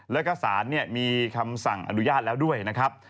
แล้วก็สารมีคำสั่งอนุญาตแล้วด้วยนะครับ